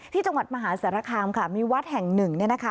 ที่จังหวัดมหาสารคามค่ะมีวัดแห่งหนึ่งเนี่ยนะคะ